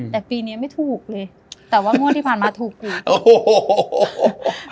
แต่ปีนี้ไม่ถูกเลยแต่ว่าง่วงที่ผ่านมาถูกกว่า